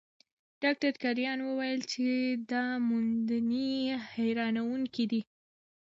ډاکټر کرایان وویل چې دا موندنې حیرانوونکې دي.